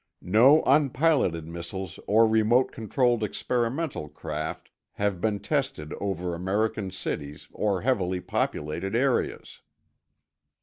No unpiloted missiles or remote controlled experimental craft have been tested over American cities or heavily populated areas.